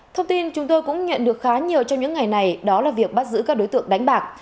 thông tin chúng tôi cũng nhận được khá nhiều trong những ngày này đó là việc bắt giữ các đối tượng đánh bạc